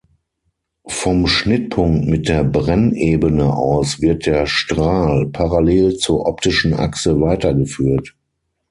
Vom Schnittpunkt mit der Brennebene aus wird der Strahl parallel zur optischen Achse weitergeführt.